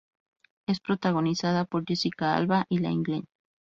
Es protagonizada por Jessica Alba y Iain Glen.